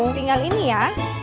tinggal ini ya